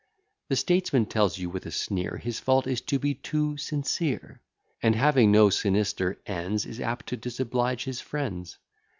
The Statesman tells you, with a sneer, His fault is to be too sincere; And having no sinister ends, Is apt to disoblige his friends.